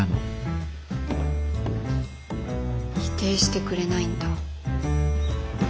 否定してくれないんだ。